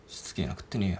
食ってねえよ。